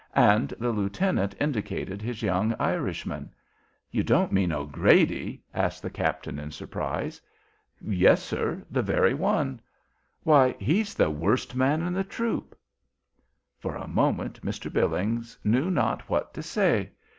And the lieutenant indicated his young Irishman. "You don't mean O'Grady?" asked the captain in surprise. "Yes, sir, the very one." "Why, he's the worst man in the troop." For a moment Mr. Billings knew not what to say.